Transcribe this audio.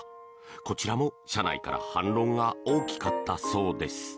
こちらも社内から反論が大きかったそうです。